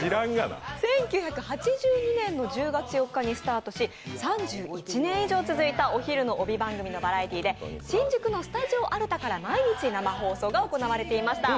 １９８２年の１０月８日にスタートし、３１年以上続いたお昼の帯番組のバラエティーで、新宿のスタジオアルタから毎日生放送が行われていました。